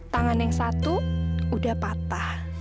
tangan yang satu udah patah